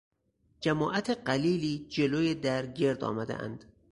جماعت قلیلی جلو در گردآمدهاند.